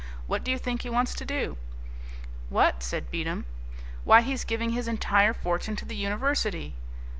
What do you think he wants to do?" "What?" said Beatem. "Why, he's giving his entire fortune to the university."